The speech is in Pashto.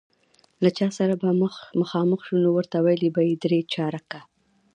له چا سره به مخامخ شو، نو ورته ویل به یې درې چارکه.